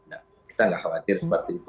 enggak kita gak khawatir seperti itu